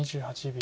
２８秒。